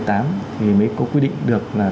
thì mới có quy định được đưa